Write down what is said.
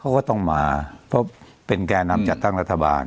เขาก็ต้องมาเพราะเป็นแก่นำจัดตั้งรัฐบาล